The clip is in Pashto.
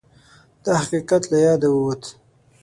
دا حقیقت له یاده ووت